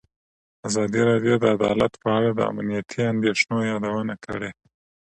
ازادي راډیو د عدالت په اړه د امنیتي اندېښنو یادونه کړې.